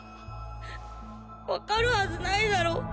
わかるはずないだろ！